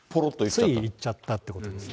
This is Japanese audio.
つい言っちゃったということですよね。